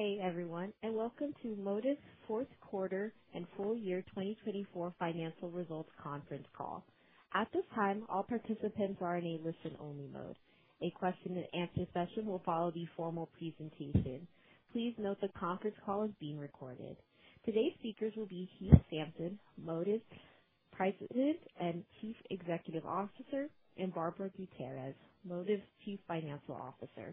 Good day, everyone, and welcome to ModivCare's Q4 and Full Year 2024 Financial Results Conference Call. At this time, all participants are in a listen-only mode. A question-and-answer session will follow the formal presentation. Please note the conference call is being recorded. Today's speakers will be Heath Sampson, ModivCare's President and Chief Executive Officer, and Barbara Gutierrez, ModivCare's Chief Financial Officer.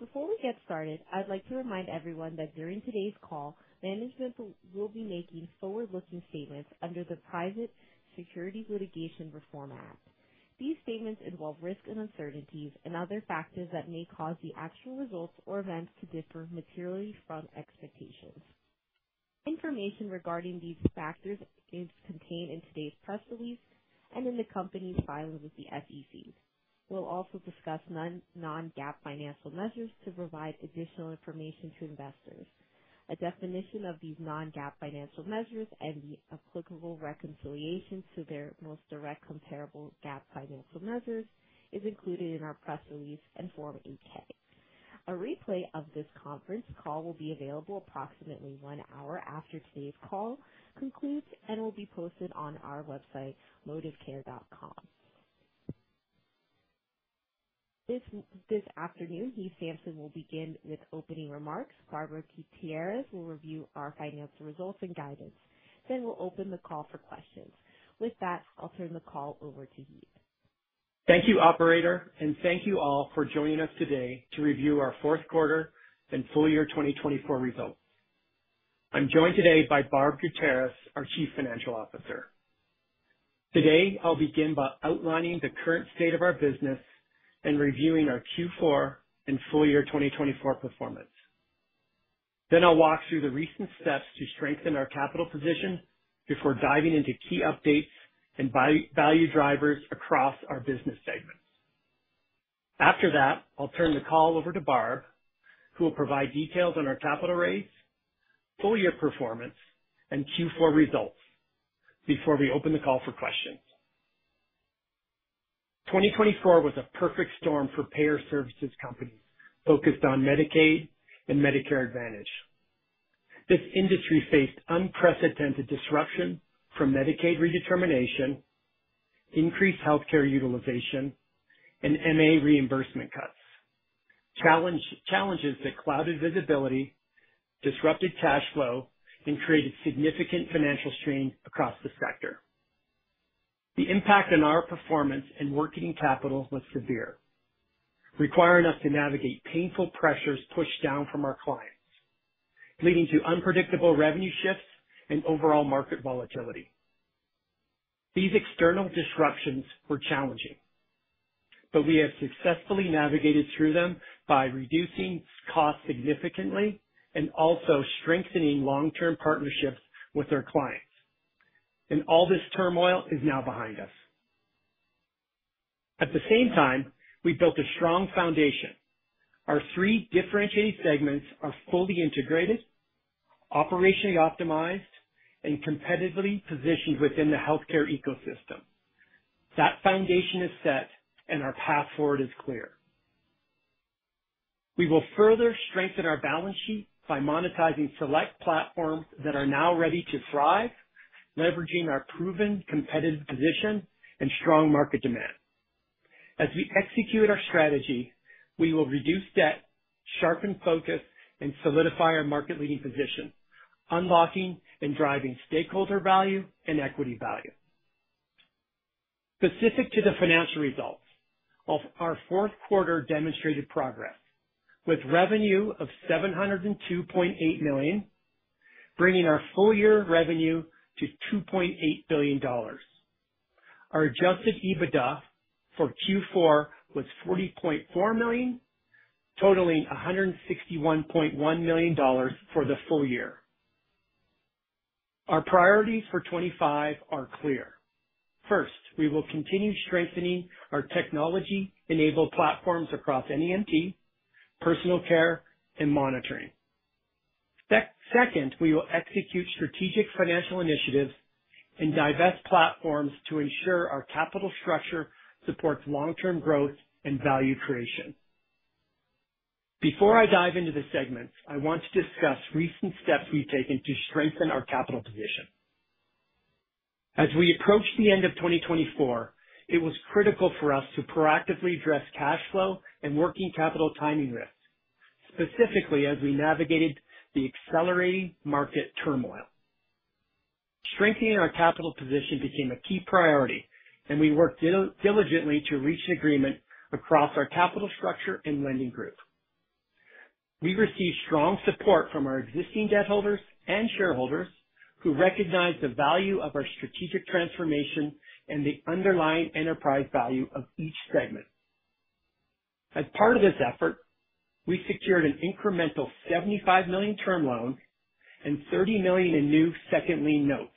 Before we get started, I'd like to remind everyone that during today's call, management will be making forward-looking statements under the Private Securities Litigation Reform Act. These statements involve risk and uncertainties and other factors that may cause the actual results or events to differ materially from expectations. Information regarding these factors is contained in today's press release and in the company's filings with the SEC. We'll also discuss non-GAAP financial measures to provide additional information to investors. A definition of these non-GAAP financial measures and the applicable reconciliations to their most direct comparable GAAP financial measures is included in our press release and Form 8K. A replay of this conference call will be available approximately one hour after today's call concludes and will be posted on our website, modivcare.com. This afternoon, Heath Sampson will begin with opening remarks. Barbara Gutierrez will review our financial results and guidance. We will open the call for questions. With that, I'll turn the call over to Heath. Thank you, Operator, and thank you all for joining us today to review our Q4 and Full Year 2024 Results. I'm joined today by Barbara Gutierrez, our Chief Financial Officer. Today, I'll begin by outlining the current state of our business and reviewing our Q4 and full year 2024 performance. I will walk through the recent steps to strengthen our capital position before diving into key updates and value drivers across our business segments. After that, I'll turn the call over to Barbara, who will provide details on our capital raise, full year performance, and Q4 results before we open the call for questions. 2024 was a perfect storm for payer services companies focused on Medicaid and Medicare Advantage. This industry faced unprecedented disruption from Medicaid redetermination, increased healthcare utilization, and MA reimbursement cuts, challenges that clouded visibility, disrupted cash flow, and created significant financial strain across the sector. The impact on our performance and working capital was severe, requiring us to navigate painful pressures pushed down from our clients, leading to unpredictable revenue shifts and overall market volatility. These external disruptions were challenging, but we have successfully navigated through them by reducing costs significantly and also strengthening long-term partnerships with our clients. All this turmoil is now behind us. At the same time, we built a strong foundation. Our three differentiated segments are fully integrated, operationally optimized, and competitively positioned within the healthcare ecosystem. That foundation is set, and our path forward is clear. We will further strengthen our balance sheet by monetizing select platforms that are now ready to thrive, leveraging our proven competitive position and strong market demand. As we execute our strategy, we will reduce debt, sharpen focus, and solidify our market-leading position, unlocking and driving stakeholder value and equity value. Specific to the financial results, our Q4 demonstrated progress with revenue of $702.8 million, bringing our full year revenue to $2.8 billion. Our adjusted EBITDA for Q4 was $40.4 million, totaling $161.1 million for the full year. Our priorities for 2025 are clear. First, we will continue strengthening our technology-enabled platforms across NEMT, personal care, and monitoring. Second, we will execute strategic financial initiatives and divest platforms to ensure our capital structure supports long-term growth and value creation. Before I dive into the segments, I want to discuss recent steps we have taken to strengthen our capital position. As we approach the end of 2024, it was critical for us to proactively address cash flow and working capital timing risks, specifically as we navigated the accelerating market turmoil. Strengthening our capital position became a key priority, and we worked diligently to reach an agreement across our capital structure and lending group. We received strong support from our existing debt holders and shareholders who recognized the value of our strategic transformation and the underlying enterprise value of each segment. As part of this effort, we secured an incremental $75 million term loan and $30 million in new second lien notes,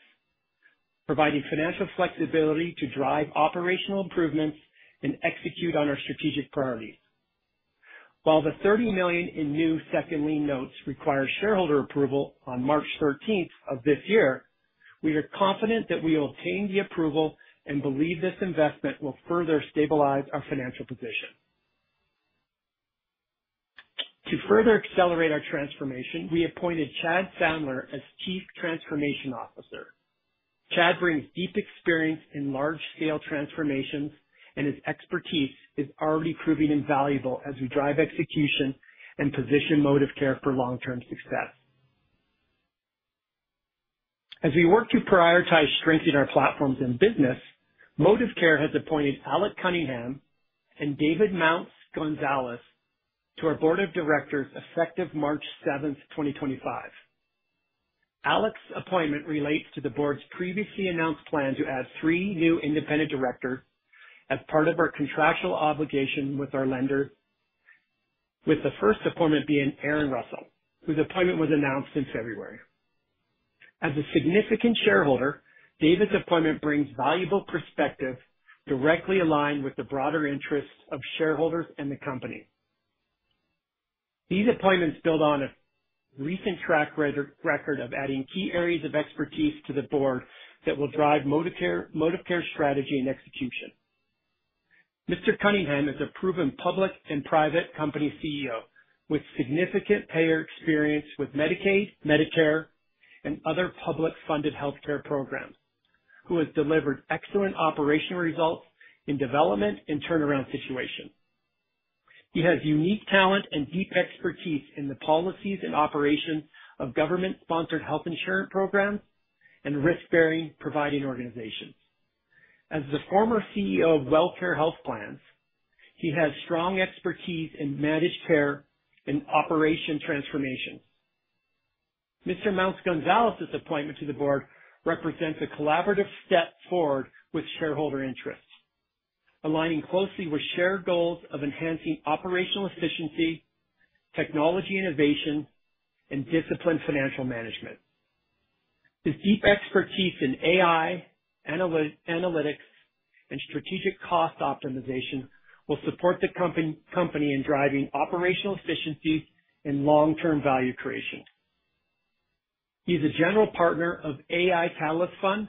providing financial flexibility to drive operational improvements and execute on our strategic priorities. While the $30 million in new second lien notes require shareholder approval on 13 March of this year, we are confident that we will obtain the approval and believe this investment will further stabilize our financial position. To further accelerate our transformation, we appointed Chad Sandler as Chief Transformation Officer. Chad brings deep experience in large-scale transformations, and his expertise is already proving invaluable as we drive execution and position ModivCare for long-term success. As we work to prioritize strengthening our platforms and business, ModivCare has appointed Alec Cunningham and David Mounts Gonzalez to our board of directors effective March 7, 2025. Alec's appointment relates to the board's previously announced plan to add three new independent directors as part of our contractual obligation with our lenders, with the first appointment being Erin Russell, whose appointment was announced in February. As a significant shareholder, David's appointment brings valuable perspective directly aligned with the broader interests of shareholders and the company. These appointments build on a recent track record of adding key areas of expertise to the board that will drive ModivCare's strategy and execution. Mr. Cunningham is a proven public and private company CEO with significant payer experience with Medicaid, Medicare, and other public-funded healthcare programs, who has delivered excellent operational results in development and turnaround situations. He has unique talent and deep expertise in the policies and operations of government-sponsored health insurance programs and risk-bearing providing organizations. As the former CEO of WellCare Health Plans, he has strong expertise in managed care and operation transformations. Mr. Mounts Gonzalez's appointment to the board represents a collaborative step forward with shareholder interests, aligning closely with shared goals of enhancing operational efficiency, technology innovation, and disciplined financial management. His deep expertise in AI analytics and strategic cost optimization will support the company in driving operational efficiencies and long-term value creation. He's a general partner of AI Catalyst Fund,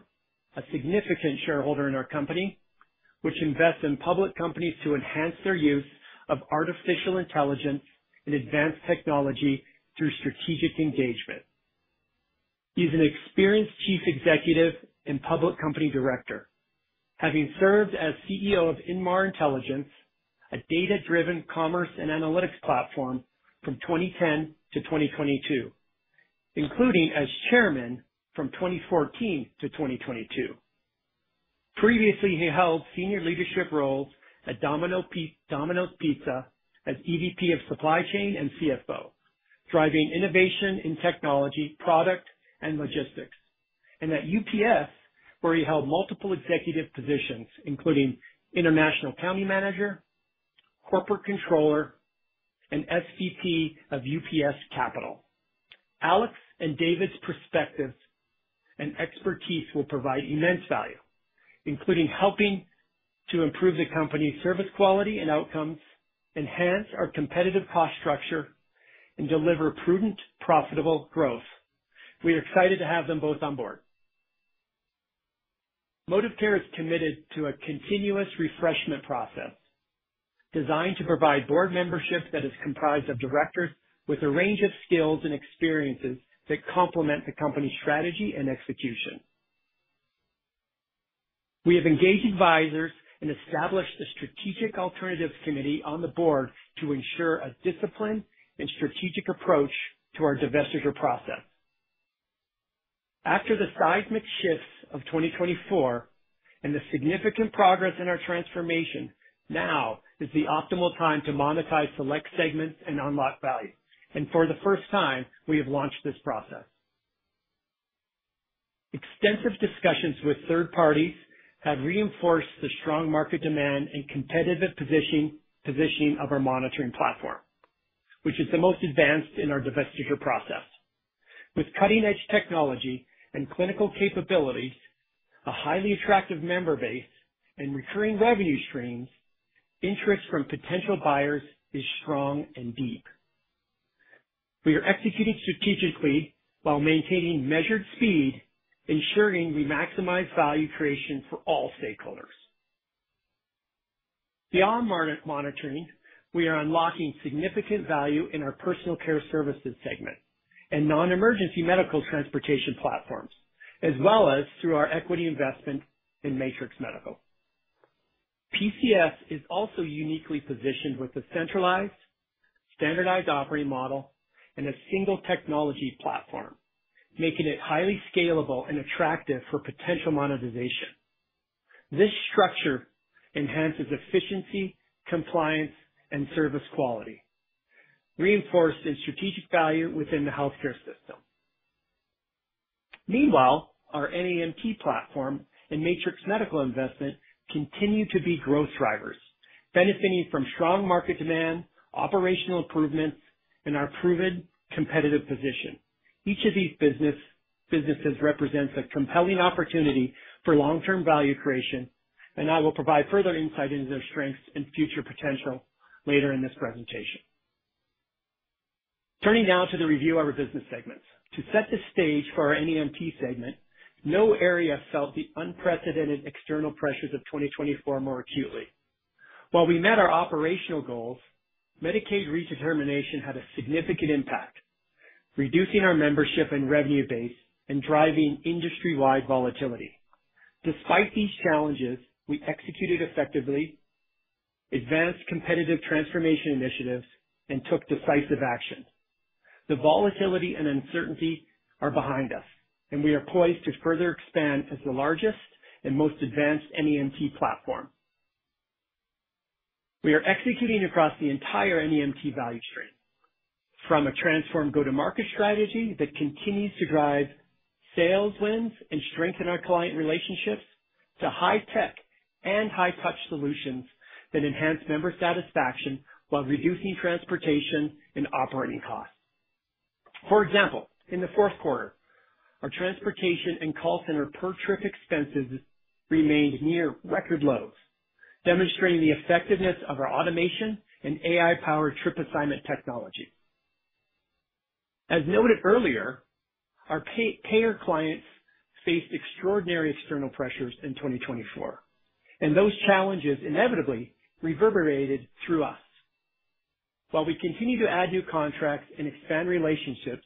a significant shareholder in our company, which invests in public companies to enhance their use of artificial intelligence and advanced technology through strategic engagement. He's an experienced chief executive and public company director, having served as CEO of Inmar Intelligence, a data-driven commerce and analytics platform from 2010 to 2022, including as Chairman from 2014 to 2022. Previously, he held senior leadership roles at Domino's Pizza as EVP of Supply Chain and CFO, driving innovation in technology, product, and logistics, and at UPS, where he held multiple executive positions, including international accounting manager, corporate controller, and SVP of UPS Capital. Alec's and David's perspectives and expertise will provide immense value, including helping to improve the company's service quality and outcomes, enhance our competitive cost structure, and deliver prudent, profitable growth. We are excited to have them both on board. ModivCare is committed to a continuous refreshment process designed to provide board membership that is comprised of directors with a range of skills and experiences that complement the company's strategy and execution. We have engaged advisors and established a strategic alternatives committee on the board to ensure a disciplined and strategic approach to our divestiture process. After the seismic shifts of 2024 and the significant progress in our transformation, now is the optimal time to monetize select segments and unlock value. For the first time, we have launched this process. Extensive discussions with third parties have reinforced the strong market demand and competitive positioning of our monitoring platform, which is the most advanced in our divestiture process. With cutting-edge technology and clinical capabilities, a highly attractive member base, and recurring revenue streams, interest from potential buyers is strong and deep. We are executing strategically while maintaining measured speed, ensuring we maximize value creation for all stakeholders. Beyond monitoring, we are unlocking significant value in our personal care services segment and non-emergency medical transportation platforms, as well as through our equity investment in Matrix Medical. PCS is also uniquely positioned with a centralized, standardized operating model and a single technology platform, making it highly scalable and attractive for potential monetization. This structure enhances efficiency, compliance, and service quality, reinforced in strategic value within the healthcare system. Meanwhile, our NEMT platform and Matrix Medical investment continue to be growth drivers, benefiting from strong market demand, operational improvements, and our proven competitive position. Each of these businesses represents a compelling opportunity for long-term value creation, and I will provide further insight into their strengths and future potential later in this presentation. Turning now to the review of our business segments. To set the stage for our NEMT segment, no area felt the unprecedented external pressures of 2024 more acutely. While we met our operational goals, Medicaid redetermination had a significant impact, reducing our membership and revenue base and driving industry-wide volatility. Despite these challenges, we executed effectively, advanced competitive transformation initiatives, and took decisive action. The volatility and uncertainty are behind us, and we are poised to further expand as the largest and most advanced NEMT platform. We are executing across the entire NEMT value stream, from a transformed go-to-market strategy that continues to drive sales wins and strengthen our client relationships to high-tech and high-touch solutions that enhance member satisfaction while reducing transportation and operating costs. For example, in the Q4, our transportation and call center per trip expenses remained near record lows, demonstrating the effectiveness of our automation and AI-powered trip assignment technology. As noted earlier, our payer clients faced extraordinary external pressures in 2024, and those challenges inevitably reverberated through us. While we continue to add new contracts and expand relationships,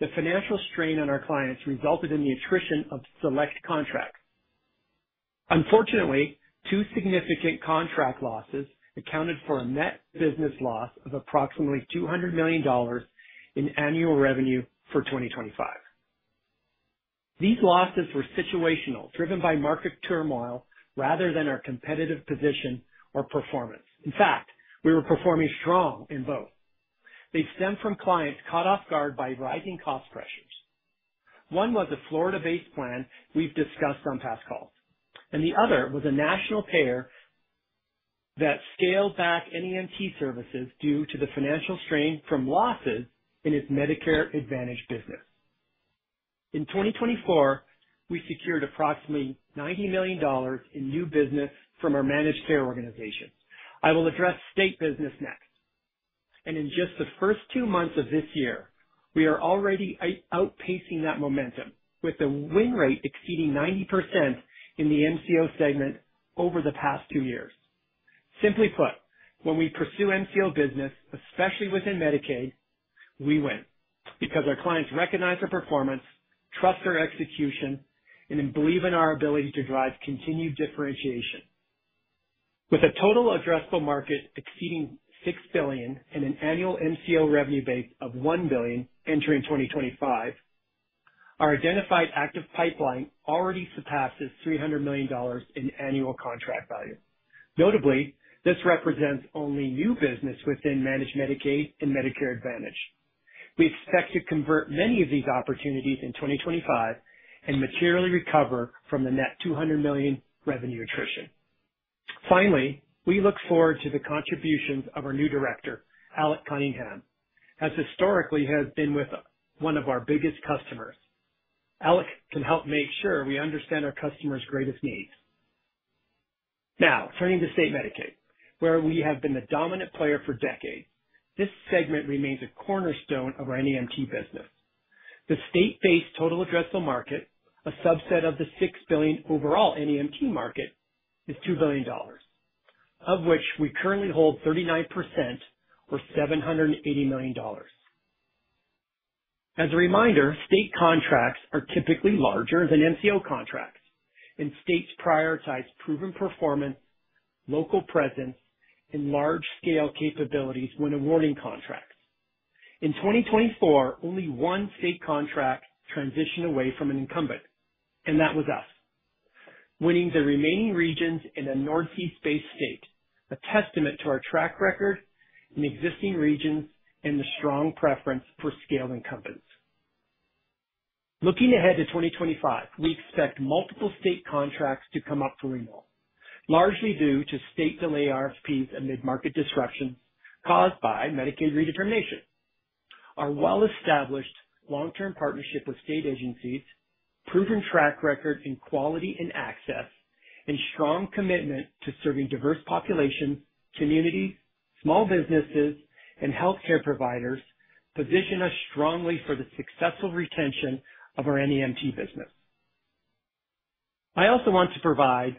the financial strain on our clients resulted in the attrition of select contracts. Unfortunately, two significant contract losses accounted for a net business loss of approximately $200 million in annual revenue for 2025. These losses were situational, driven by market turmoil rather than our competitive position or performance. In fact, we were performing strong in both. They stemmed from clients caught off guard by rising cost pressures. One was a Florida-based plan we have discussed on past calls, and the other was a national payer that scaled back NEMT services due to the financial strain from losses in its Medicare Advantage business. In 2024, we secured approximately $90 million in new business from our managed care organizations. I will address state business next. In just the first two months of this year, we are already outpacing that momentum, with the win rate exceeding 90% in the MCO segment over the past two years. Simply put, when we pursue MCO business, especially within Medicaid, we win because our clients recognize our performance, trust our execution, and believe in our ability to drive continued differentiation. With a total addressable market exceeding $6 billion and an annual MCO revenue base of $1 billion entering 2025, our identified active pipeline already surpasses $300 million in annual contract value. Notably, this represents only new business within managed Medicaid and Medicare Advantage. We expect to convert many of these opportunities in 2025 and materially recover from the net $200 million revenue attrition. Finally, we look forward to the contributions of our new director, Alec Cunningham, as historically he has been with one of our biggest customers. Alec can help make sure we understand our customers' greatest needs. Now, turning to state Medicaid, where we have been the dominant player for decades, this segment remains a cornerstone of our NEMT business. The state-based total addressable market, a subset of the $6 billion overall NEMT market, is $2 billion, of which we currently hold 39% or $780 million. As a reminder, state contracts are typically larger than MCO contracts, and states prioritize proven performance, local presence, and large-scale capabilities when awarding contracts. In 2024, only one state contract transitioned away from an incumbent, and that was us, winning the remaining regions and a Northeast-based state, a testament to our track record in existing regions and the strong preference for scaled incumbents. Looking ahead to 2025, we expect multiple state contracts to come up for renewal, largely due to state-delayed RFPs amid market disruptions caused by Medicaid redetermination. Our well-established long-term partnership with state agencies, proven track record in quality and access, and strong commitment to serving diverse populations, communities, small businesses, and healthcare providers position us strongly for the successful retention of our NEMT business. I also want to provide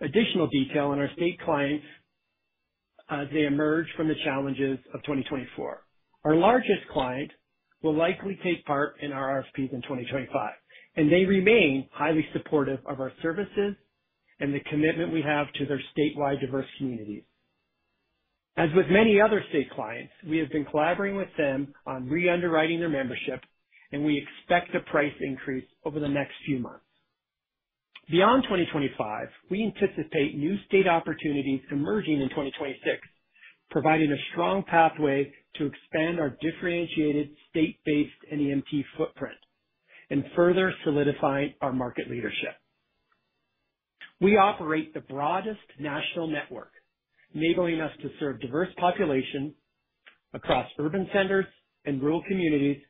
additional detail on our state clients as they emerge from the challenges of 2024. Our largest client will likely take part in our RFPs in 2025, and they remain highly supportive of our services and the commitment we have to their statewide diverse communities. As with many other state clients, we have been collaborating with them on re-underwriting their membership, and we expect a price increase over the next few months. Beyond 2025, we anticipate new state opportunities emerging in 2026, providing a strong pathway to expand our differentiated state-based NEMT footprint and further solidify our market leadership. We operate the broadest national network, enabling us to serve diverse populations across urban centers and rural communities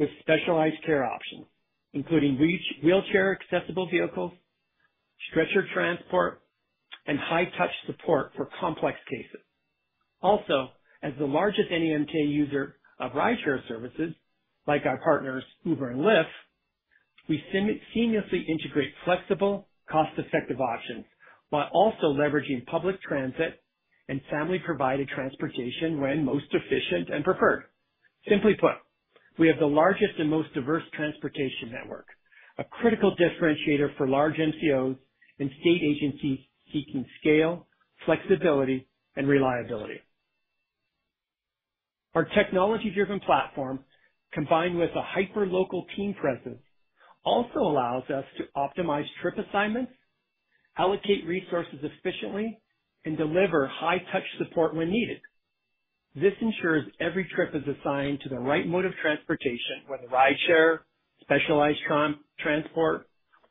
with specialized care options, including wheelchair-accessible vehicles, stretcher transport, and high-touch support for complex cases. Also, as the largest NEMT user of rideshare services like our partners, Uber and Lyft, we seamlessly integrate flexible, cost-effective options while also leveraging public transit and family-provided transportation when most efficient and preferred. Simply put, we have the largest and most diverse transportation network, a critical differentiator for large MCOs and state agencies seeking scale, flexibility, and reliability. Our technology-driven platform, combined with a hyper-local team presence, also allows us to optimize trip assignments, allocate resources efficiently, and deliver high-touch support when needed. This ensures every trip is assigned to the right mode of transportation, whether rideshare, specialized transport,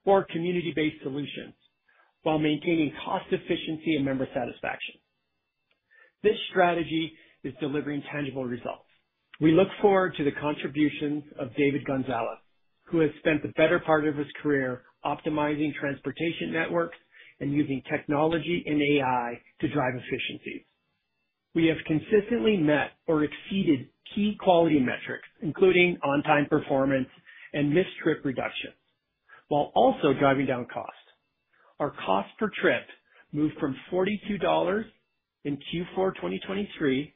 or community-based solutions, while maintaining cost efficiency and member satisfaction. This strategy is delivering tangible results. We look forward to the contributions of David Gonzalez, who has spent the better part of his career optimizing transportation networks and using technology and AI to drive efficiencies. We have consistently met or exceeded key quality metrics, including on-time performance and missed trip reductions, while also driving down cost. Our cost per trip moved from $42 in Q4 2023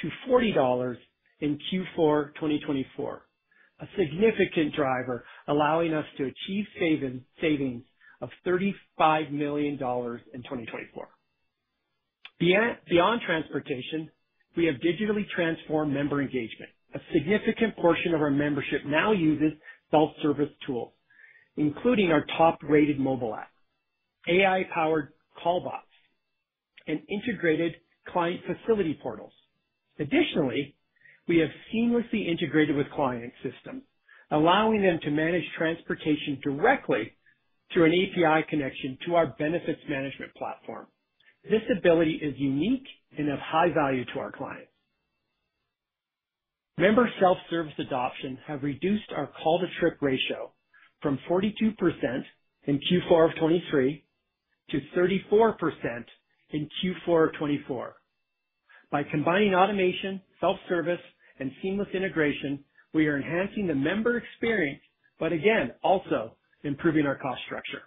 to $40 in Q4 2024, a significant driver, allowing us to achieve savings of $35 million in 2024. Beyond transportation, we have digitally transformed member engagement. A significant portion of our membership now uses self-service tools, including our top-rated mobile app, AI-powered callbots, and integrated client facility portals. Additionally, we have seamlessly integrated with client systems, allowing them to manage transportation directly through an API connection to our benefits management platform. This ability is unique and of high value to our clients. Member self-service adoption has reduced our call-to-trip ratio from 42% in Q4 of 2023 to 34% in Q4 of 2024. By combining automation, self-service, and seamless integration, we are enhancing the member experience, but again, also improving our cost structure.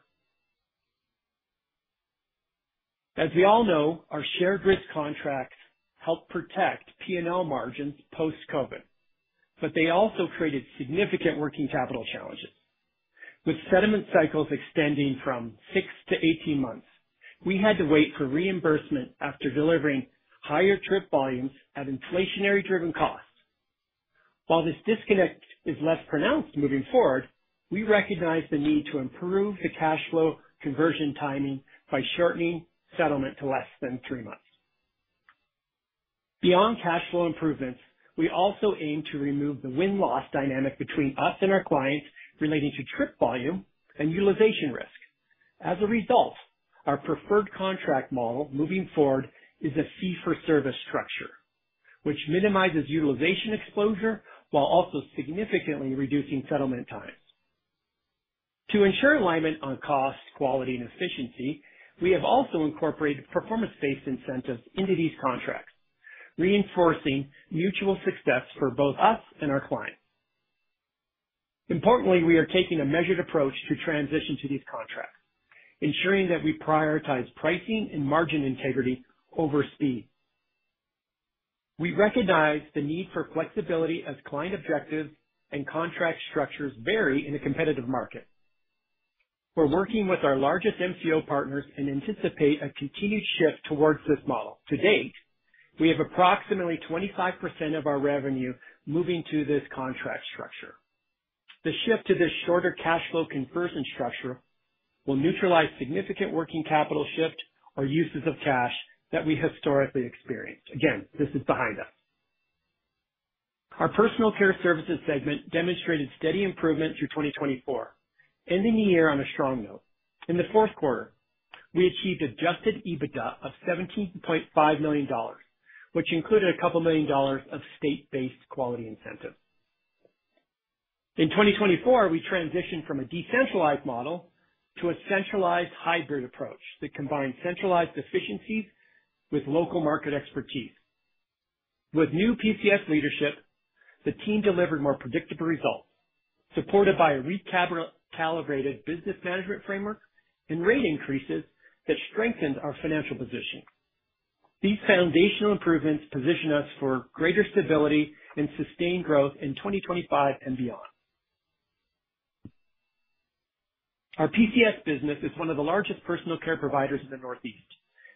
As we all know, our shared risk contracts helped protect P&L margins post-COVID, but they also created significant working capital challenges. With settlement cycles extending from six to 18 months, we had to wait for reimbursement after delivering higher trip volumes at inflationary-driven costs. While this disconnect is less pronounced moving forward, we recognize the need to improve the cash flow conversion timing by shortening settlement to less than three months. Beyond cash flow improvements, we also aim to remove the win-loss dynamic between us and our clients relating to trip volume and utilization risk. As a result, our preferred contract model moving forward is a fee-for-service structure, which minimizes utilization exposure while also significantly reducing settlement times. To ensure alignment on cost, quality, and efficiency, we have also incorporated performance-based incentives into these contracts, reinforcing mutual success for both us and our clients. Importantly, we are taking a measured approach to transition to these contracts, ensuring that we prioritize pricing and margin integrity over speed. We recognize the need for flexibility as client objectives and contract structures vary in a competitive market. We're working with our largest MCO partners and anticipate a continued shift towards this model. To date, we have approximately 25% of our revenue moving to this contract structure. The shift to this shorter cash flow conversion structure will neutralize significant working capital shift or uses of cash that we historically experienced. Again, this is behind us. Our personal care services segment demonstrated steady improvement through 2024, ending the year on a strong note. In the Q4, we achieved adjusted EBITDA of $17.5 million, which included a couple million dollars of state-based quality incentives. In 2024, we transitioned from a decentralized model to a centralized hybrid approach that combined centralized efficiencies with local market expertise. With new PCS leadership, the team delivered more predictable results, supported by a recalibrated business management framework and rate increases that strengthened our financial position. These foundational improvements position us for greater stability and sustained growth in 2025 and beyond. Our PCS business is one of the largest personal care providers in the Northeast.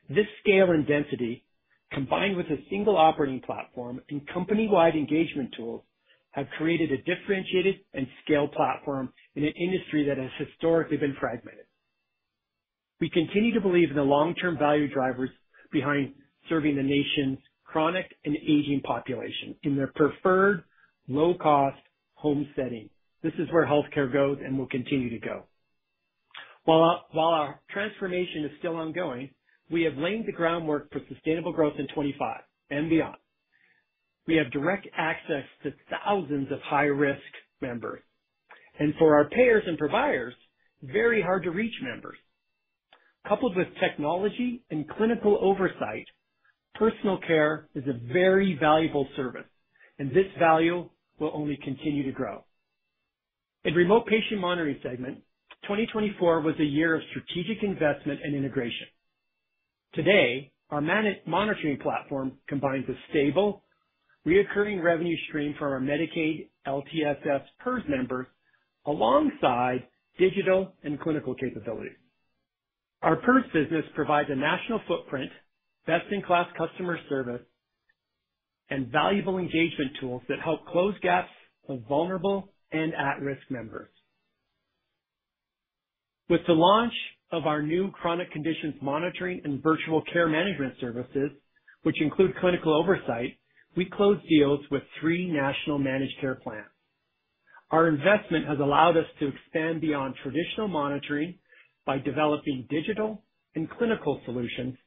This scale and density, combined with a single operating platform and company-wide engagement tools, have created a differentiated and scaled platform in an industry that has historically been fragmented. We continue to believe in the long-term value drivers behind serving the nation's chronic and aging population in their preferred low-cost home setting. This is where healthcare goes and will continue to go. While our transformation is still ongoing, we have laid the groundwork for sustainable growth in 2025 and beyond. We have direct access to thousands of high-risk members, and for our payers and providers, very hard-to-reach members. Coupled with technology and clinical oversight, personal care is a very valuable service, and this value will only continue to grow. In the remote patient monitoring segment, 2024 was a year of strategic investment and integration. Today, our monitoring platform combines a stable, recurring revenue stream for our Medicaid LTSS PERS members alongside digital and clinical capabilities. Our PERS business provides a national footprint, best-in-class customer service, and valuable engagement tools that help close gaps for vulnerable and at-risk members. With the launch of our new chronic conditions monitoring and virtual care management services, which include clinical oversight, we closed deals with three national managed care plans. Our investment has allowed us to expand beyond traditional monitoring by developing digital and clinical solutions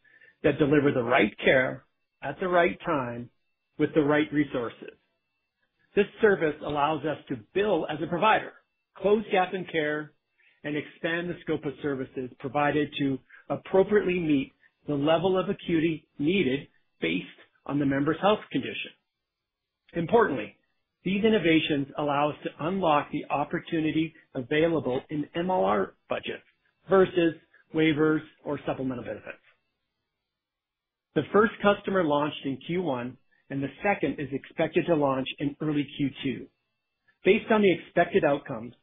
that deliver the right care at the right time with the right resources. This service allows us to bill as a provider, close gaps in care, and expand the scope of services provided to appropriately meet the level of acuity needed based on the member's health condition. Importantly, these innovations allow us to unlock the opportunity available in MLR budgets versus waivers or supplemental benefits. The first customer launched in Q1, and the second is expected to launch in Q2. based on the expected outcomes,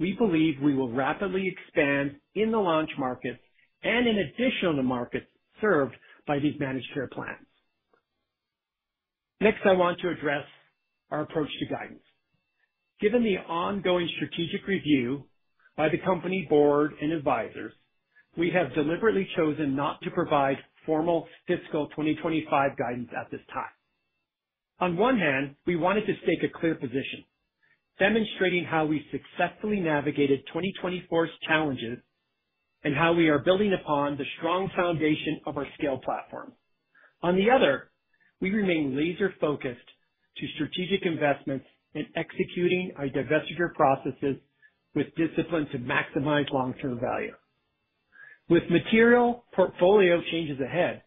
we believe we will rapidly expand in the launch markets and in additional markets served by these managed care plans. Next, I want to address our approach to guidance. Given the ongoing strategic review by the company, board, and advisors, we have deliberately chosen not to provide formal fiscal 2025 guidance at this time. On one hand, we wanted to stake a clear position, demonstrating how we successfully navigated 2024's challenges and how we are building upon the strong foundation of our scale platform. On the other, we remain laser-focused to strategic investments in executing our divestiture processes with discipline to maximize long-term value. With material portfolio changes ahead,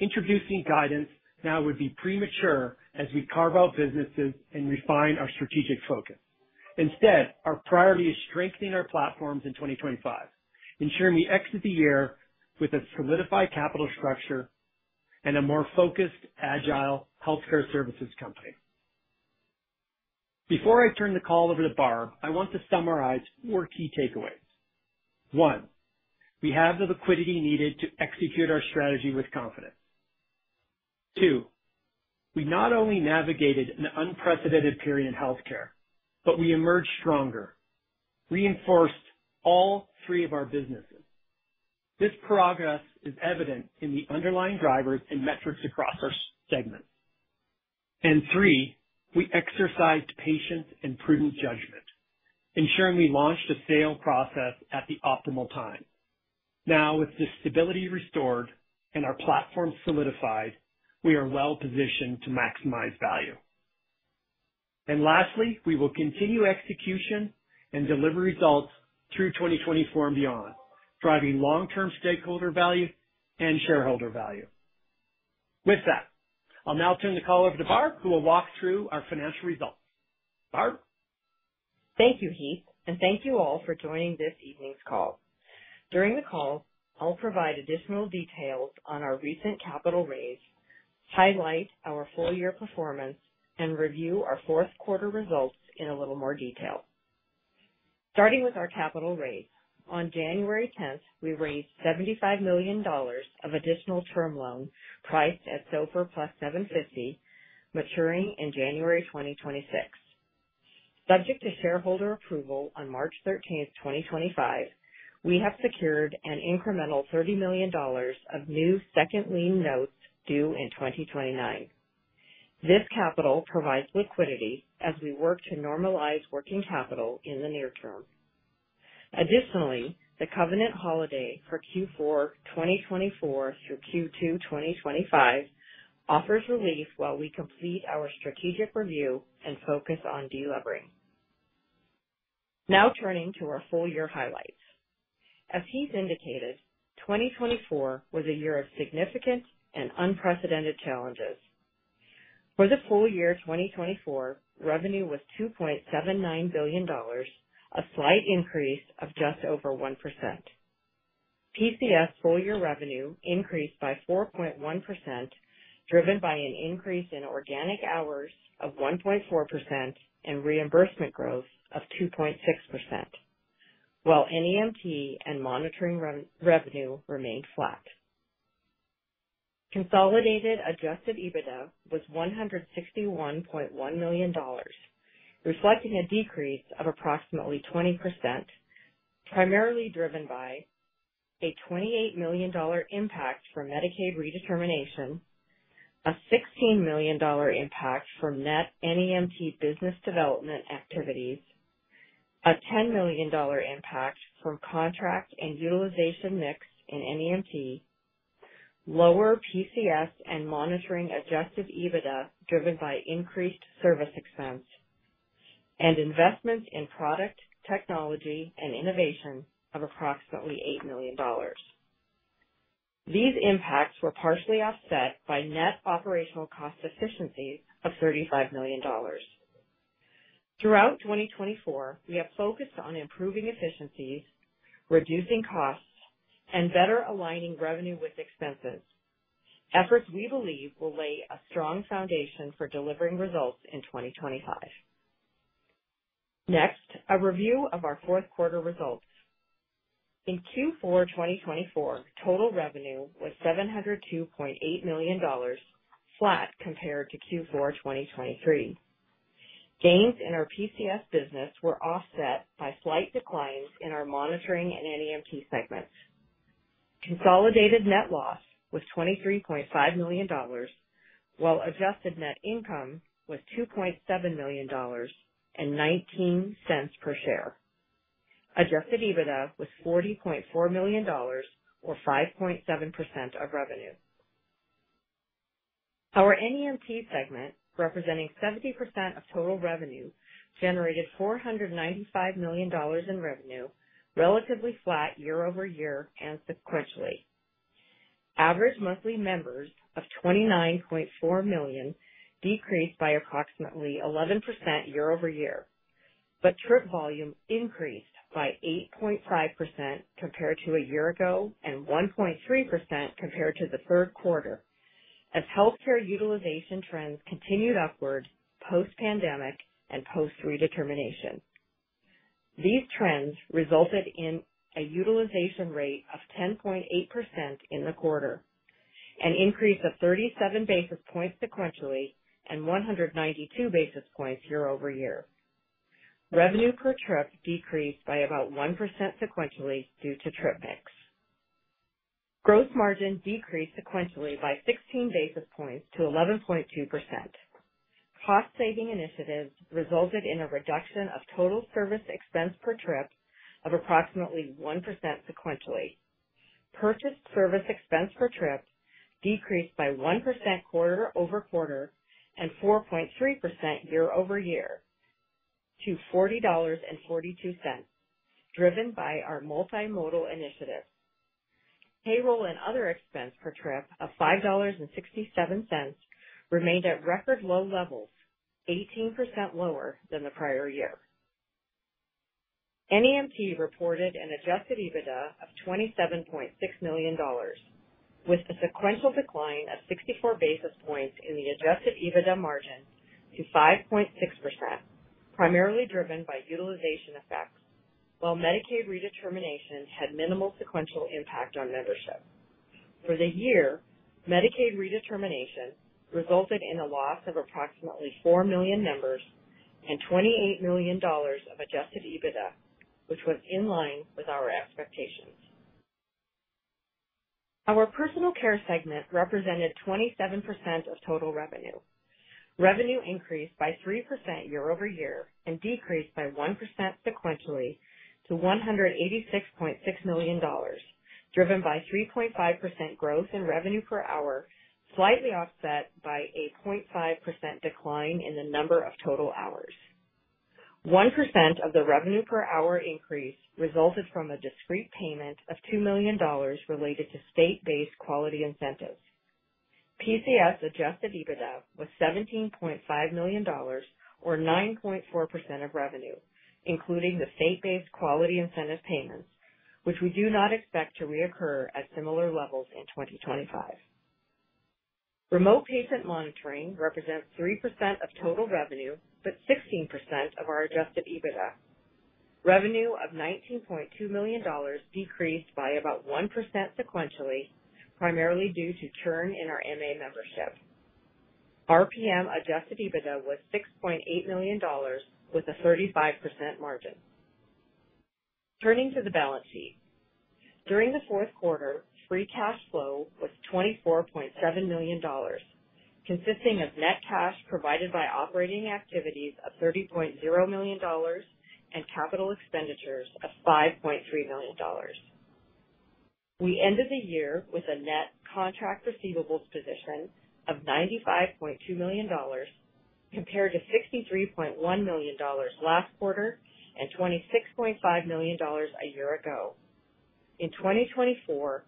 introducing guidance now would be premature as we carve out businesses and refine our strategic focus. Instead, our priority is strengthening our platforms in 2025, ensuring we exit the year with a solidified capital structure and a more focused, agile healthcare services company. Before I turn the call over to Barb, I want to summarize four key takeaways. One, we have the liquidity needed to execute our strategy with confidence. Two, we not only navigated an unprecedented period in healthcare, but we emerged stronger, reinforced all three of our businesses. This progress is evident in the underlying drivers and metrics across our segments. Three, we exercised patience and prudent judgment, ensuring we launched a sale process at the optimal time. Now, with the stability restored and our platform solidified, we are well-positioned to maximize value. Lastly, we will continue execution and deliver results through 2024 and beyond, driving long-term stakeholder value and shareholder value. With that, I'll now turn the call over to Barb, who will walk through our financial results. Barb? Thank you, Heath, and thank you all for joining this evening's call. During the call, I'll provide additional details on our recent capital raise, highlight our full-year performance, and review our Q4 results in a little more detail. Starting with our capital raise. On January 10, we raised $75 million of additional term loan priced at SOFR plus 750, maturing in January 2026. Subject to shareholder approval on March 13, 2025, we have secured an incremental $30 million of new second lien notes due in 2029. This capital provides liquidity as we work to normalize working capital in the near term. Additionally, the covenant holiday for Q4 2024 to Q2 2025 offers relief while we complete our strategic review and focus on delivering. Now turning to our full-year highlights. As Heath indicated, 2024 was a year of significant and unprecedented challenges. For the full year 2024, revenue was $2.79 billion, a slight increase of just over 1%. PCS full-year revenue increased by 4.1%, driven by an increase in organic hours of 1.4% and reimbursement growth of 2.6%, while NEMT and monitoring revenue remained flat. Consolidated adjusted EBITDA was $161.1 million, reflecting a decrease of approximately 20%, primarily driven by a $28 million impact from Medicaid redetermination, a $16 million impact from net NEMT business development activities, a $10 million impact from contract and utilization mix in NEMT, lower PCS and monitoring adjusted EBITDA driven by increased service expense, and investments in product technology and innovation of approximately $8 million. These impacts were partially offset by net operational cost efficiencies of $35 million. Throughout 2024, we have focused on improving efficiencies, reducing costs, and better aligning revenue with expenses, efforts we believe will lay a strong foundation for delivering results in 2025. Next, a review of our Q4 results. In Q4 2024, total revenue was $702.8 million, flat compared to Q4 2023. Gains in our PCS business were offset by slight declines in our monitoring and NEMT segments. Consolidated net loss was $23.5 million, while adjusted net income was $2.7 million and $0.19 per share. Adjusted EBITDA was $40.4 million, or 5.7% of revenue. Our NEMT segment, representing 70% of total revenue, generated $495 million in revenue, relatively flat year-over-year and sequentially. Average monthly members of 29.4 million decreased by approximately 11% year-over-year, but trip volume increased by 8.5% compared to a year ago and 1.3% compared to Q3, as healthcare utilization trends continued upward post-pandemic and post-redetermination. These trends resulted in a utilization rate of 10.8% in the quarter, an increase of 37 basis points sequentially and 192 basis points year-over-year. Revenue per trip decreased by about 1% sequentially due to trip mix. Gross margin decreased sequentially by 16 basis points to 11.2%. Cost-saving initiatives resulted in a reduction of total service expense per trip of approximately 1% sequentially. Purchased service expense per trip decreased by 1% quarter-over-quarter and 4.3% year-over-year to $40.42, driven by our multimodal initiative. Payroll and other expense per trip of $5.67 remained at record low levels, 18% lower than the prior year. NEMT reported an adjusted EBITDA of $27.6 million, with a sequential decline of 64 basis points in the adjusted EBITDA margin to 5.6%, primarily driven by utilization effects, while Medicaid redetermination had minimal sequential impact on membership. For the year, Medicaid redetermination resulted in a loss of approximately 4 million members and $28 million of adjusted EBITDA, which was in line with our expectations. Our personal care segment represented 27% of total revenue. Revenue increased by 3% year-over-year and decreased by 1% sequentially to $186.6 million, driven by 3.5% growth in revenue per hour, slightly offset by a 0.5% decline in the number of total hours. 1% of the revenue per hour increase resulted from a discreet payment of $2 million related to state-based quality incentives. PCS adjusted EBITDA was $17.5 million, or 9.4% of revenue, including the state-based quality incentive payments, which we do not expect to reoccur at similar levels in 2025. Remote patient monitoring represents 3% of total revenue, but 16% of our adjusted EBITDA. Revenue of $19.2 million decreased by about 1% sequentially, primarily due to churn in our MA membership. RPM adjusted EBITDA was $6.8 million, with a 35% margin. Turning to the balance sheet. During the Q4, free cash flow was $24.7 million, consisting of net cash provided by operating activities of $30.0 million and capital expenditures of $5.3 million. We ended the year with a net contract receivables position of $95.2 million, compared to $63.1 million last quarter and $26.5 million a year ago. In 2024,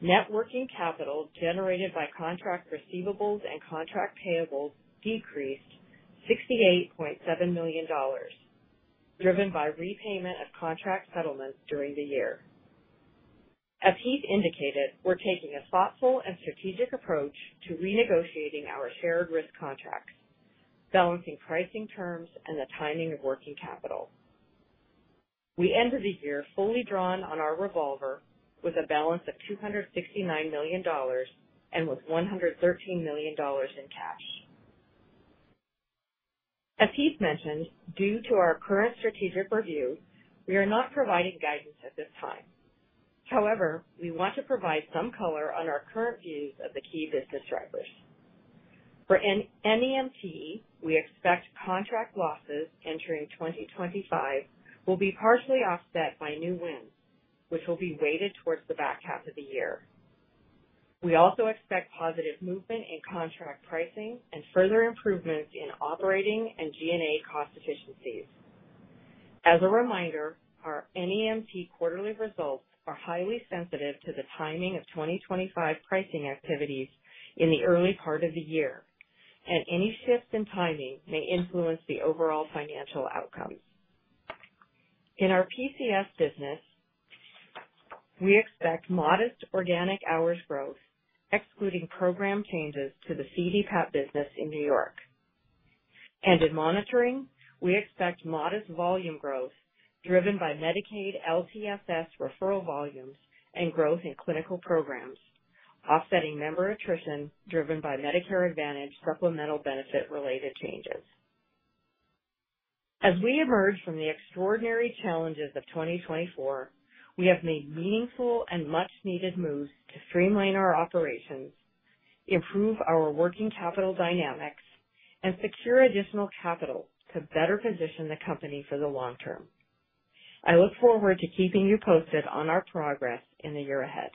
net working capital generated by contract receivables and contract payables decreased $68.7 million, driven by repayment of contract settlements during the year. As Heath indicated, we're taking a thoughtful and strategic approach to renegotiating our shared risk contracts, balancing pricing terms and the timing of working capital. We ended the year fully drawn on our revolver, with a balance of $269 million and with $113 million in cash. As Heath mentioned, due to our current strategic review, we are not providing guidance at this time. However, we want to provide some color on our current views of the key business drivers. For NEMT, we expect contract losses entering 2025 will be partially offset by new wins, which will be weighted towards the back half of the year. We also expect positive movement in contract pricing and further improvements in operating and G&A cost efficiencies. As a reminder, our NEMT quarterly results are highly sensitive to the timing of 2025 pricing activities in the early part of the year, and any shifts in timing may influence the overall financial outcomes. In our PCS business, we expect modest organic hours growth, excluding program changes to the CDPAP business in New York. In monitoring, we expect modest volume growth, driven by Medicaid LTSS referral volumes and growth in clinical programs, offsetting member attrition driven by Medicare Advantage supplemental benefit-related changes. As we emerge from the extraordinary challenges of 2024, we have made meaningful and much-needed moves to streamline our operations, improve our working capital dynamics, and secure additional capital to better position the company for the long term. I look forward to keeping you posted on our progress in the year ahead.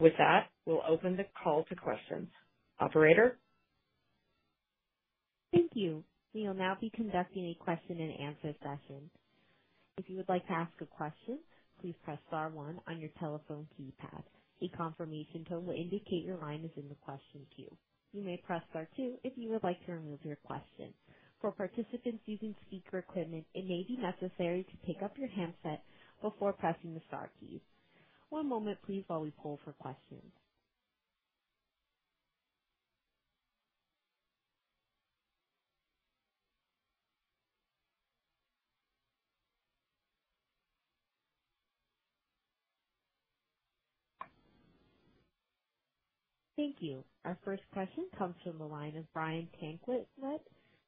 With that, we'll open the call to questions. Operator? Thank you. We will now be conducting a question-and-answer session. If you would like to ask a question, please press star one on your telephone keypad. A confirmation tone will indicate your line is in the question queue. You may press star two if you would like to remove your question. For participants using speaker equipment, it may be necessary to pick up your handset before pressing the star key. One moment, please, while we pull for questions. Thank you. Our first question comes from the line of Brian Tanquilut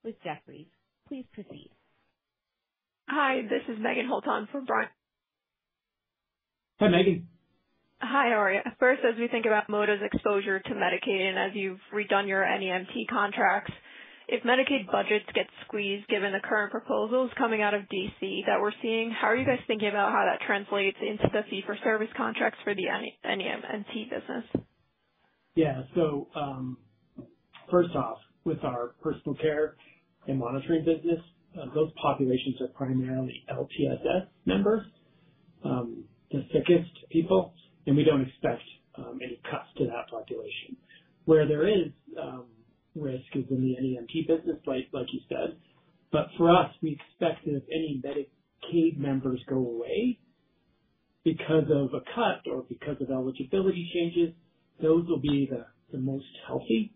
with Jefferies. Please proceed. Hi, this is Meghan Holtz from Brian. Hey, Megan. Hi, how are you? First, as we think about ModivCare's exposure to Medicaid and as you've redone your NEMT contracts, if Medicaid budgets get squeezed given the current proposals coming out of DC that we're seeing, how are you guys thinking about how that translates into the fee-for-service contracts for the NEMT business? Yeah. First off, with our personal care and monitoring business, those populations are primarily LTSS members, the sickest people, and we don't expect any cuts to that population. Where there is risk is in the NEMT business, like you said, but for us, we expect that if any Medicaid members go away because of a cut or because of eligibility changes, those will be the most healthy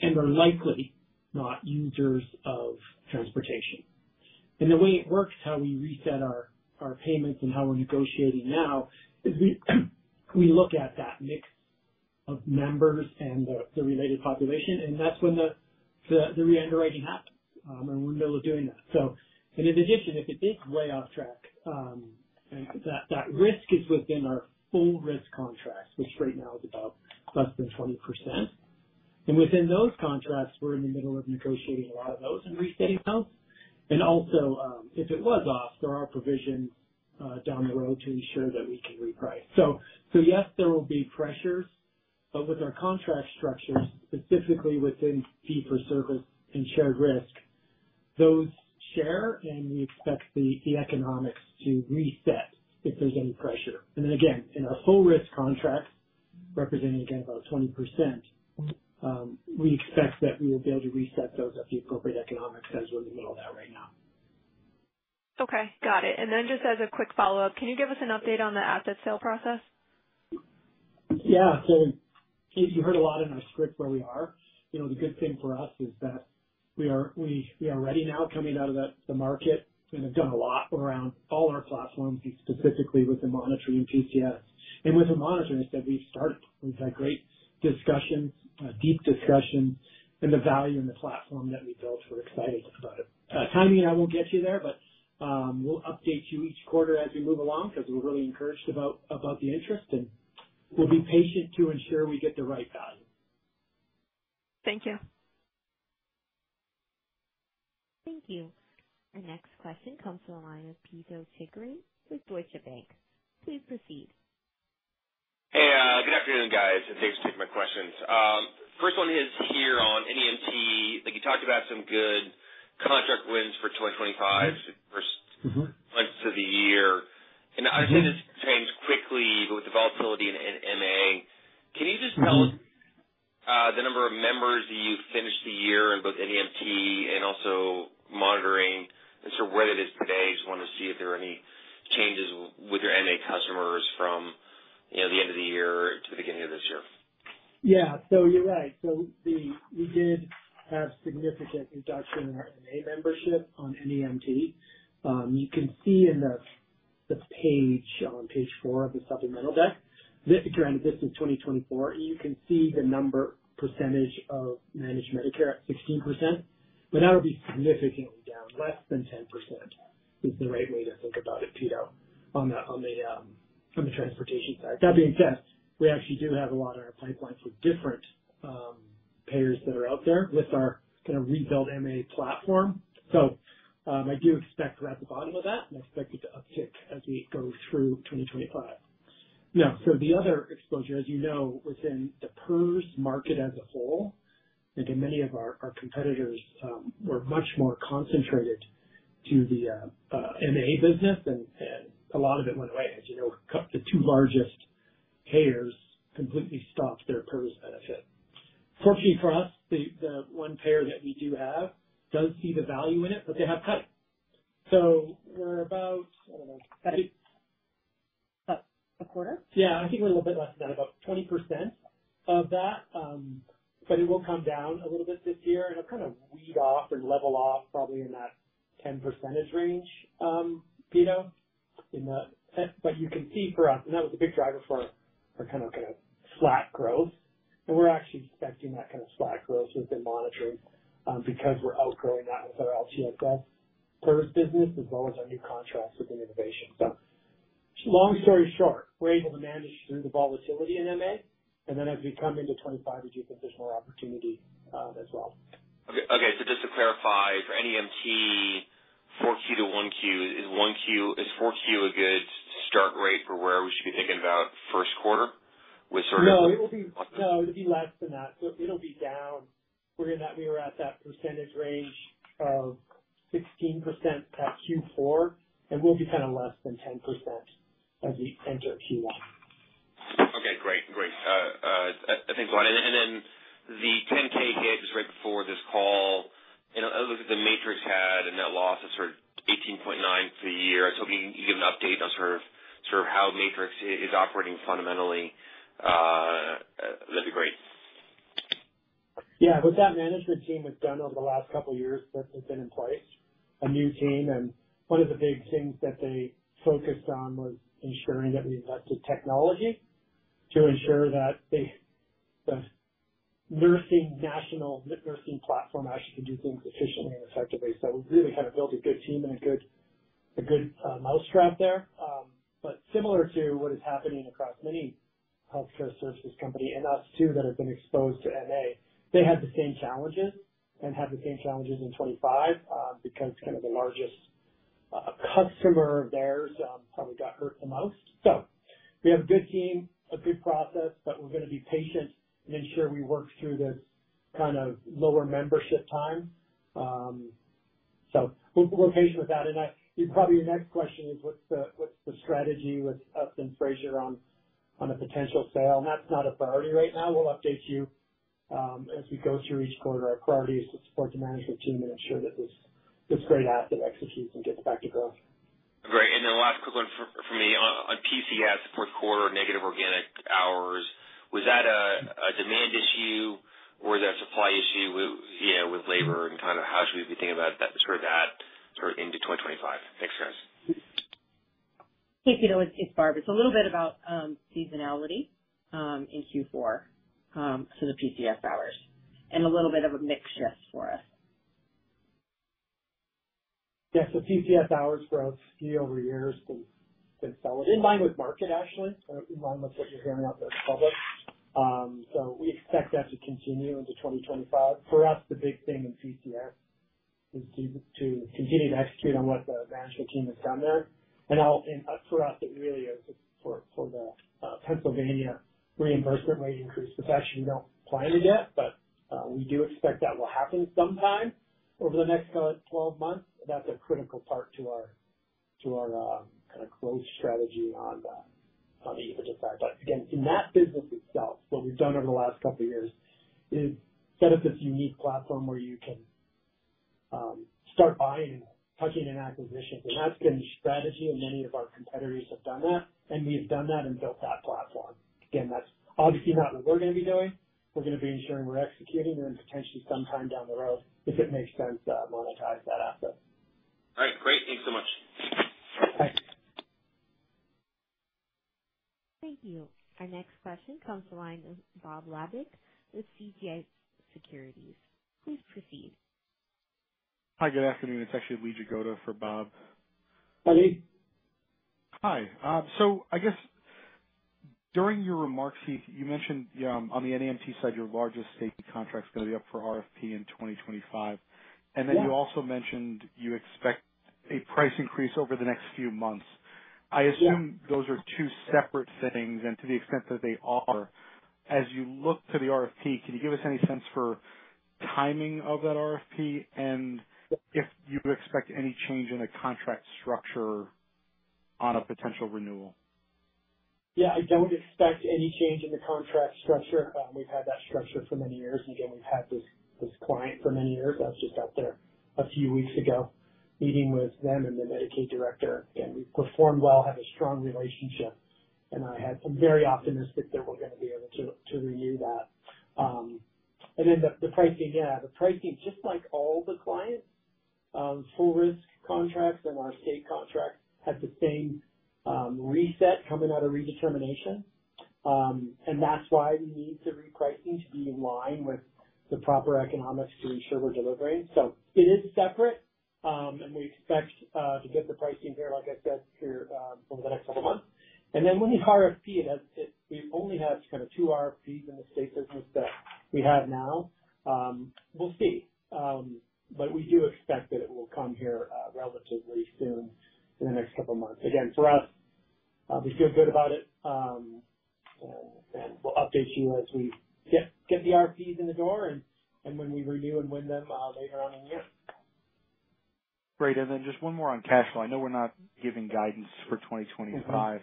and are likely not users of transportation. The way it works, how we reset our payments and how we're negotiating now, is we look at that mix of members and the related population, and that's when the re-underwriting happens, and we're in the middle of doing that. In addition, if it is way off track, that risk is within our full risk contracts, which right now is about less than 20%. Within those contracts, we're in the middle of negotiating a lot of those and resetting those. Also, if it was off, there are provisions down the road to ensure that we can reprice. Yes, there will be pressures, but with our contract structures, specifically within fee-for-service and shared risk, those share, and we expect the economics to reset if there's any pressure. Then, again, in our full risk contracts, representing, again, about 20%, we expect that we will be able to reset those at the appropriate economics as we're in the middle of that right now. Okay. Got it. Just as a quick follow-up, can you give us an update on the asset sale process? Yeah. You heard a lot in our script where we are. The good thing for us is that we are ready now, coming out of the market, and have done a lot around all our platforms, specifically with the monitoring and PCS. With the monitoring, I said we've started. We've had great discussions, deep discussions, and the value and the platform that we built, we're excited about it. Timing, I will not get you there, but we will update you each quarter as we move along because we are really encouraged about the interest, and we will be patient to ensure we get the right value. Thank you. Thank you. Our next question comes from the line of Pito Chickering with Deutsche Bank. Please proceed. Hey, good afternoon, guys. Thanks for taking my questions. First one is here on NEMT. You talked about some good contract wins for 2025, first months of the year. I understand this changed quickly with the volatility in MA. Can you just tell us the number of members that you finished the year in both NEMT and also monitoring, and sort of where that is today? Just wanted to see if there are any changes with your MA customers from the end of the year to the beginning of this year. Yeah. So you are right. We did have significant reduction in our MA membership on NEMT. You can see on page four of the supplemental deck, granted this is 2024, you can see the number percentage of managed Medicare at 16%, but that'll be significantly down, less than 10% is the right way to think about it, Pito, on the transportation side. That being said, we actually do have a lot on our pipeline for different payers that are out there with our kind of rebuilt MA platform. I do expect we're at the bottom of that, and I expect it to uptick as we go through 2025. Now, the other exposure, as you know, within the PERS market as a whole, and many of our competitors were much more concentrated to the MA business, and a lot of it went away. As you know, the two largest payers completely stopped their PERS benefit. Fortunately for us, the one payer that we do have does see the value in it, but they have cut it. We're about, I don't know, about a quarter? Yeah. I think we're a little bit less than that, about 20% of that, but it will come down a little bit this year, and it'll kind of weed off and level off probably in that 10% range, Pito. You can see for us, that was a big driver for our kind of flat growth, and we're actually expecting that kind of flat growth within monitoring because we're outgrowing that with our LTSS PERS business as well as our new contracts within innovation. Long story short, we're able to manage through the volatility in MA, and then as we come into 2025, we do think there's more opportunity as well. Okay. Just to clarify, for NEMT, Q4 to Q1, is Q4 a good start rate for where we should be thinking about Q1 with sort of? No, it will be less than that. It'll be down. We were at that percentage range of 16% at Q4, and we'll be kind of less than 10% as we enter Q1. Okay. Great. Great. [inaudibble] The 10-K hit just right before this call, it looks like Matrix had a net loss of sort of $18.9 million for the year. I was hoping you could give an update on sort of how Matrix is operating fundamentally. That'd be great. Yeah. With that management team we've done over the last couple of years that has been in place, a new team, and one of the big things that they focused on was ensuring that we invested technology to ensure that the national nursing platform actually can do things efficiently and effectively. We really kind of built a good team and a good mousetrap there. Similar to what is happening across many healthcare services companies and us too that have been exposed to MA, they had the same challenges and had the same challenges in 2025 because kind of the largest customer of theirs probably got hurt the most. We have a good team, a good process, but we're going to be patient and ensure we work through this kind of lower membership time. We're patient with that. Probably your next question is, what's the strategy with us and Frazier on a potential sale? That is not a priority right now. We'll update you as we go through each quarter. Our priority is to support the management team and ensure that this great asset executes and gets back to growth. Great. Last quick one from me on PCS, Q4, negative organic hours. Was that a demand issue or was that a supply issue with labor and kind of how should we be thinking about that sort of into 2025? Thanks, guys. Hey, Pito, it's Barbara. A little bit about seasonality in Q4 for the PCS hours and a little bit of a mix just for us. Yeah. PCS hours growth year-over-year has been solid, in line with market, actually, in line with what you're hearing out there in public. We expect that to continue into 2025. For us, the big thing in PCS is to continue to execute on what the management team has done there. For us, it really is for the Pennsylvania reimbursement rate increase. Actually, we do not plan to get, but we do expect that will happen sometime over the next 12 months. That is a critical part to our kind of growth strategy on the EBITDA side. Again, in that business itself, what we have done over the last couple of years is set up this unique platform where you can start buying and touching in acquisitions. That has been the strategy, and many of our competitors have done that, and we have done that and built that platform. Again, that's obviously not what we're going to be doing. We're going to be ensuring we're executing and then potentially sometime down the road, if it makes sense, monetize that asset. All right. Great. Thanks so much. Thanks. Thank you. Our next question comes from Bob Labick with CJS Securities. Please proceed. Hi. Good afternoon. It's actually Lee Jagoda for Bob. Hi, Lee. Hi. I guess during your remarks, you mentioned on the NEMT side, your largest state contract is going to be up for RFP in 2025. And then you also mentioned you expect a price increase over the next few months. I assume those are two separate things, and to the extent that they are, as you look to the RFP, can you give us any sense for timing of that RFP and if you expect any change in the contract structure on a potential renewal? Yeah. I don't expect any change in the contract structure. We've had that structure for many years. Again, we've had this client for many years. I was just out there a few weeks ago meeting with them and the Medicaid director. Again, we performed well, had a strong relationship, and I am very optimistic that we're going to be able to renew that. The pricing, yeah, the pricing, just like all the clients, full risk contracts and our state contract had the same reset coming out of redetermination. That's why we need the repricing to be in line with the proper economics to ensure we're delivering. It is separate, and we expect to get the pricing here, like I said, here over the next couple of months. When the RFP, we only have kind of two RFPs in the state business that we have now. We will see. We do expect that it will come here relatively soon in the next couple of months. Again, for us, we feel good about it, and we will update you as we get the RFPs in the door and when we renew and win them later on in the year. Great. Just one more on cash flow. I know we are not giving guidance for 2025,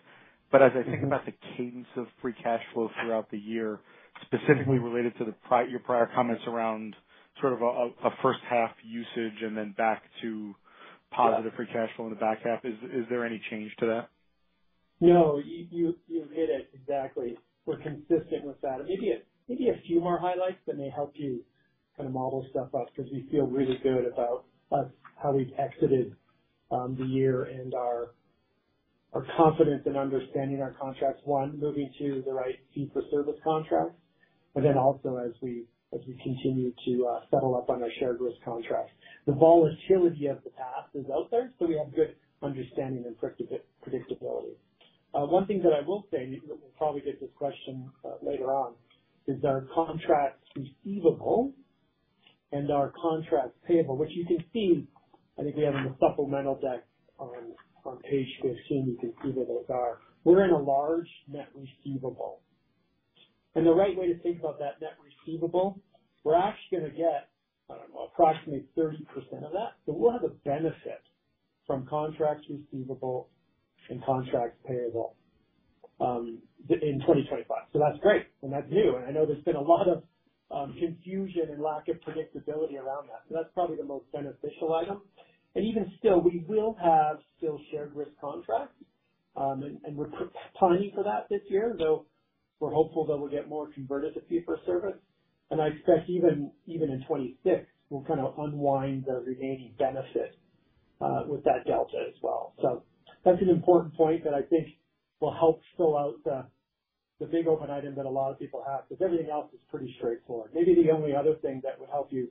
but as I think about the cadence of free cash flow throughout the year, specifically related to your prior comments around sort of a first half usage and then back to positive free cash flow in the back half, is there any change to that? No. You hit it exactly. We are consistent with that. Maybe a few more highlights, then they help you kind of model stuff up because we feel really good about how we've exited the year and our confidence in understanding our contracts, one, moving to the right fee-for-service contracts, and then also as we continue to settle up on our shared risk contracts. The volatility of the past is out there, so we have good understanding and predictability. One thing that I will say, and you'll probably get this question later on, is our contracts receivable and our contracts payable, which you can see, I think we have in the supplemental deck on page 15, you can see where those are. We're in a large net receivable. And the right way to think about that net receivable, we're actually going to get, I don't know, approximately 30% of that. We'll have a benefit from contracts receivable and contracts payable in 2025. That's great, and that's new. I know there's been a lot of confusion and lack of predictability around that. That's probably the most beneficial item. Even still, we will have still shared risk contracts, and we're planning for that this year. We're hopeful that we'll get more converted to fee-for-service. I expect even in 2026, we'll kind of unwind the remaining benefit with that delta as well. That's an important point that I think will help fill out the big open item that a lot of people have because everything else is pretty straightforward. Maybe the only other thing that would help you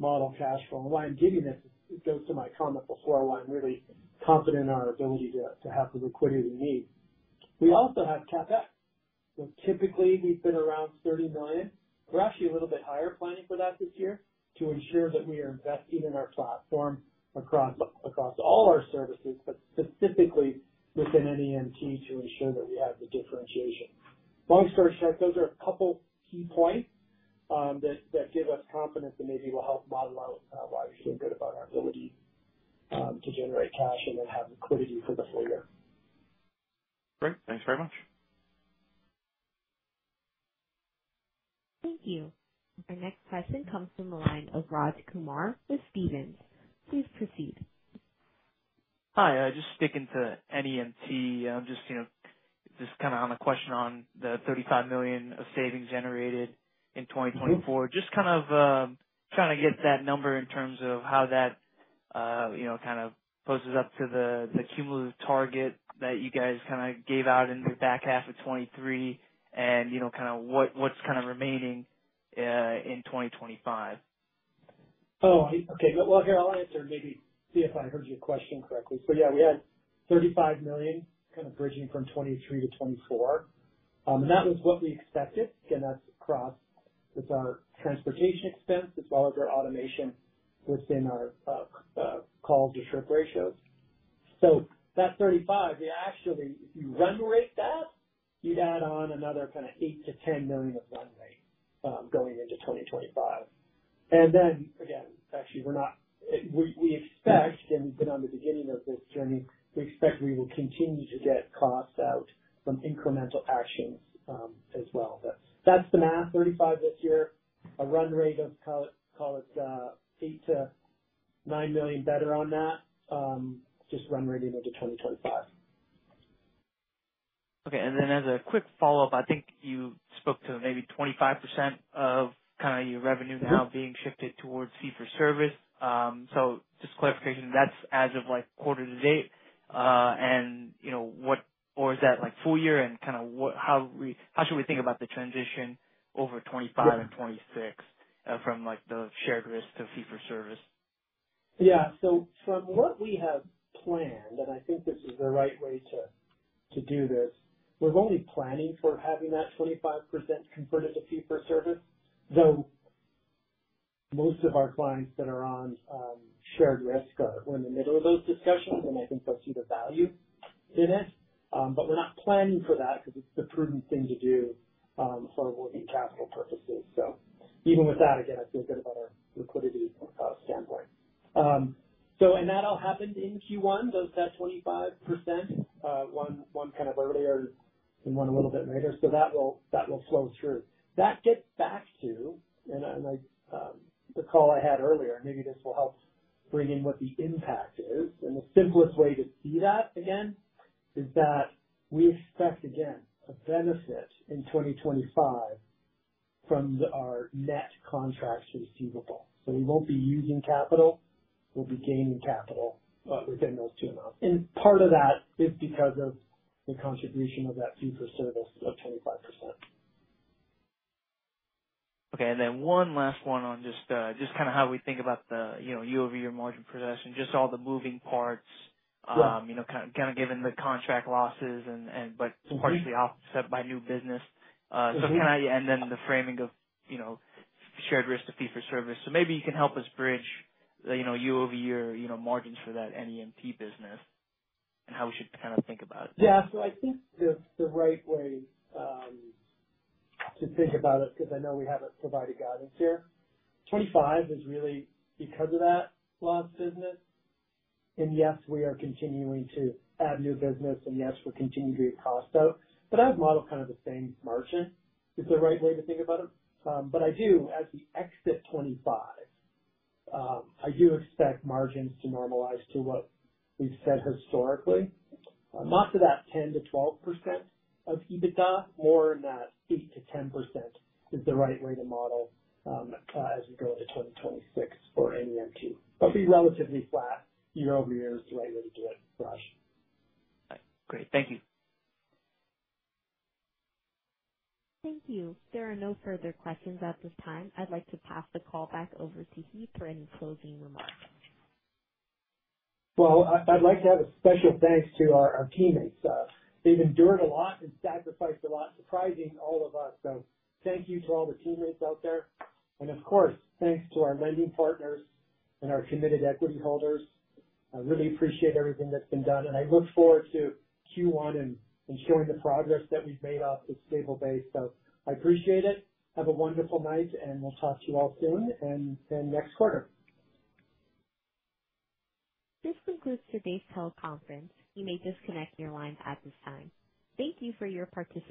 model cash flow, and why I'm giving this goes to my comment before why I'm really confident in our ability to have the liquidity we need. We also have CapEx. Typically, we've been around $30 million. We're actually a little bit higher planning for that this year to ensure that we are investing in our platform across all our services, but specifically within NEMT to ensure that we have the differentiation. Long story short, those are a couple key points that give us confidence that maybe will help model out why we feel good about our ability to generate cash and then have liquidity for the full year. Great. Thanks very much. Thank you. Our next question comes from the line of Raj Kumar with Stephens. Please proceed. Hi. Just sticking to NEMT. I'm just kind of on a question on the $35 million of savings generated in 2024. Just kind of trying to get that number in terms of how that kind of poses up to the cumulative target that you guys kind of gave out in the back half of 2023 and kind of what's kind of remaining in 2025. Oh, okay. Here, I'll answer and maybe see if I heard your question correctly. Yeah, we had $35 million kind of bridging from 2023 to 2024. That was what we expected. Again, that's across with our transportation expense as well as our automation within our calls or trip ratios. That $35 million, if you run rate that, you'd add on another $8 to 10 million of run rate going into 2025. Again, actually, we expect, and we've been on the beginning of this journey, we expect we will continue to get costs out from incremental actions as well. That's the math. $35 million this year, a run rate of, call it $8 to 9 million better on that, just run rating into 2025. Okay. As a quick follow-up, I think you spoke to maybe 25% of kind of your revenue now being shifted towards fee-for-service. Just clarification, that's as of quarter to date, and or is that full year? How should we think about the transition over 2025 and 2026 from the shared risk to fee-for-service? Yeah. From what we have planned, and I think this is the right way to do this, we're only planning for having that 25% converted to fee-for-service, though most of our clients that are on shared risk are in the middle of those discussions, and I think they'll see the value in it. We're not planning for that because it's the prudent thing to do for working capital purposes. Even with that, again, I feel good about our liquidity standpoint. That all happened in Q1, those 25%, one kind of earlier and one a little bit later. That will flow through. That gets back to, and the call I had earlier, maybe this will help bring in what the impact is. The simplest way to see that, again, is that we expect, again, a benefit in 2025 from our net contracts receivable. We won't be using capital. We'll be gaining capital within those two amounts. Part of that is because of the contribution of that fee-for-service of 25%. Okay. One last one on just kind of how we think about the year-over-year margin processing, just all the moving parts, kind of given the contract losses, but partially offset by new business. Kind of, and then the framing of shared risk to fee-for-service. Maybe you can help us bridge year-over-year margins for that NEMT business and how we should kind of think about it. Yeah. I think the right way to think about it, because I know we have not provided guidance here, 2025 is really because of that loss business. Yes, we are continuing to add new business, and yes, we are continuing to get costs out. I have modeled kind of the same margin is the right way to think about it. But I do, as we exit 2025, I do expect margins to normalize to what we've said historically, not to that 10% to 12% of EBITDA, more in that 8% to 10% is the right way to model as we go into 2026 for NEMT. It will be relatively flat year-over-year is the right way to do it, Raj. All right. Great. Thank you. Thank you. There are no further questions at this time. I'd like to pass the call back over to Heath for any closing remarks. I would like to have a special thanks to our teammates. They've endured a lot and sacrificed a lot, surprising all of us. So thank you to all the teammates out there. Of course, thanks to our lending partners and our committed equity holders. I really appreciate everything that's been done. I look forward to Q1 and showing the progress that we've made off the stable base. I appreciate it. Have a wonderful night, and we'll talk to you all soon and next quarter. This concludes today's teleconference. You may disconnect your lines at this time. Thank you for your participation.